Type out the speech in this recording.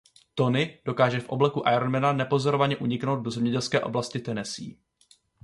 Tony dokáže v obleku Iron Mana nepozorovaně uniknout do zemědělské oblasti Tennessee.